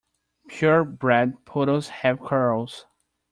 Pure bred poodles have curls.